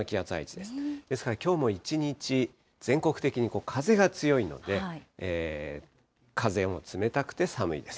ですから、きょうも一日、全国的に風が強いので、風も冷たくて寒いです。